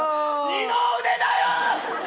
二の腕だよ。